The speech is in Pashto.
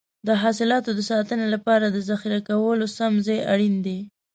د حاصلاتو د ساتنې لپاره د ذخیره کولو سم ځای اړین دی.